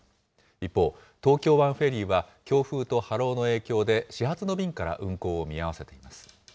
一方、東京湾フェリーは強風と波浪の影響で、始発の便から運航を見合わせています。